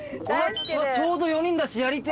ちょうど４人だしやりてえ。